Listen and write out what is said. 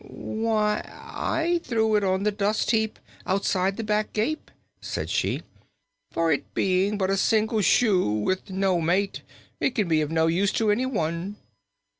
"Why, I threw it on the dust heap, outside the back gate," said she, "for, it being but a single shoe, with no mate, it can be of no use to anyone."